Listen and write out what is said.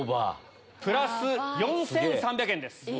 プラス４３００円です。